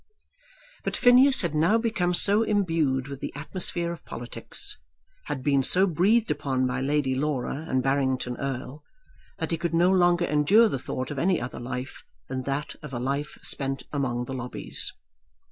But Phineas had now become so imbued with the atmosphere of politics, had been so breathed upon by Lady Laura and Barrington Erle, that he could no longer endure the thought of any other life than that of a life spent among the lobbies.